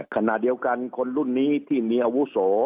ขณะเดียวกันคนรุ่นนี้ที่มีอาวุโส